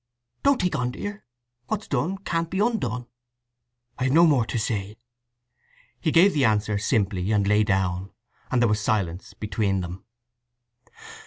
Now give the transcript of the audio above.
"Don't take on, dear. What's done can't be undone." "I have no more to say!" He gave the answer simply, and lay down; and there was silence between them.